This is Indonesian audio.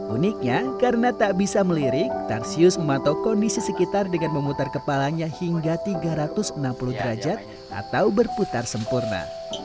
uniknya karena tak bisa melirik tarsius memantau kondisi sekitar dengan memutar kepalanya hingga tiga ratus enam puluh derajat atau berputar sempurna